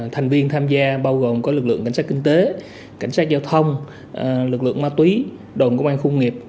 thành viên tham gia bao gồm có lực lượng cảnh sát kinh tế cảnh sát giao thông lực lượng ma túy đồn công an khu nghiệp